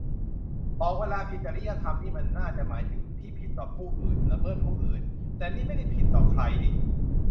เวลาบอกว่าผิดจริยธรรมนี่ มันน่าจะหมายถึงที่ผิดต่อผู้อื่น ละเมิดผู้อื่น แต่นี่ไม่ได้ผิดต่อใครนิ